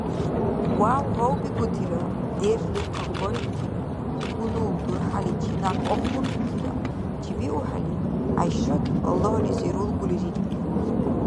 Вяв-гьавбикӀутира, держли къагъбарибтира, хьунул-дурхӀяличи някъ ахъбурцутира чебиухӀели, ГӀяйшат аллагьлизи рулгули рири